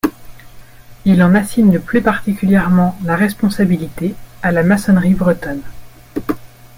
Il en assigne plus particulièrement la responsabilité à la maçonnerie bretonne.